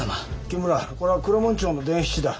木村こりゃ黒門町の伝七だ。